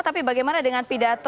tapi bagaimana dengan pidato